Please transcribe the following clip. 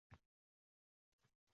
Mening orzuim -